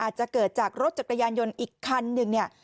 อาจจะเกิดจากรถจักรยานยนต์อีกคันหนึ่งเนี่ย